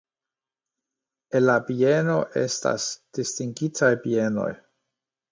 El la bieno estas distingitaj bienoj.